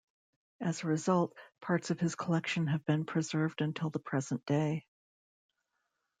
As a result, parts of his collection have been preserved until the present day.